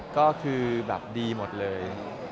ก็คือแบบดีหมดเลย